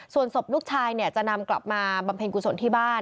ส่วนศพลูกชายเนี่ยจะนำกลับมาบำเพ็ญกุศลที่บ้าน